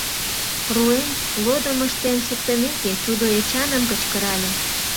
Руэн, лодым ыштен шуктымеке, тудо Эчаным кычкырале: